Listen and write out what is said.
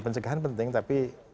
pencegahan penting tapi